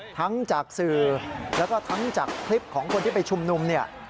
ทั้งจากสื่อแล้วก็ทั้งจากคลิปของคนที่ไปชุมนุมเนี่ย